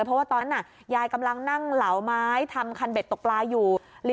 เพราะว่าตอนนั้นยายกำลังนั่งเหลาไม้ทำคันเบ็ดตกปลาอยู่